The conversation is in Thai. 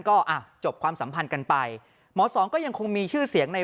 ก็อ่ะจบความสัมพันธ์กันไปหมอสองก็ยังคงมีชื่อเสียงใน